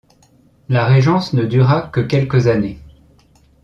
La régence ne dura que quelques années.